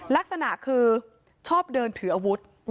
ลักษณะคือชอบเดินถืออาวุธ